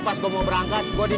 yang sebenernya mau dress kollen